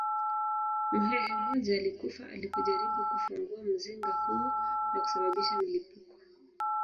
Mhehe mmoja alikufa alipojaribu kufungua mzinga huo na kusababisha mlipuko